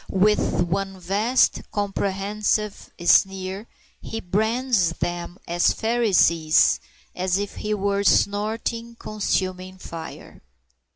With one vast comprehensive sneer he brands them as Pharisees, as if he were snorting consuming fire.